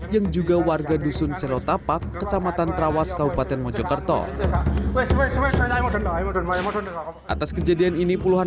yang juga warga dusun selotapak kecamatan trawas kabupaten mojokerto atas kejadian ini puluhan